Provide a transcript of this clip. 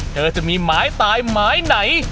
เธอจะมีหมายตายหมายไหน